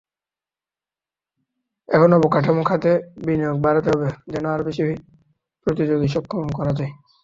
এখন অবকাঠামো খাতে বিনিয়োগ বাড়াতে হবে, যেন আরও বেশি প্রতিযোগীসক্ষম করা যায়।